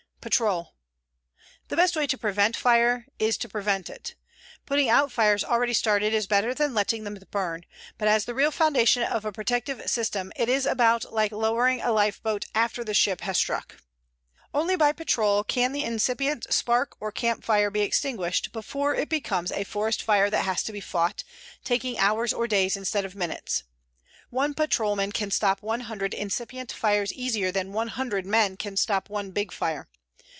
PATROL The best way to prevent fire is to prevent it. Putting out fires already started is better than letting them burn, but as the real foundation of a protective system it is about like lowering a lifeboat after the ship has struck. Only by patrol can the incipient spark or camp fire be extinguished before it becomes a forest fire that has to be fought, taking hours or days instead of minutes. One patrolman can stop 100 incipient fires easier than 100 men can stop one big fire.